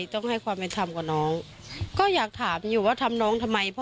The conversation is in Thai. ทรงอิพธภัณฑ์คอนอกรที่ไตน้องเต้น